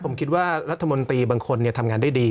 ผมคิดว่ารัฐมนตรีบางคนทำงานได้ดี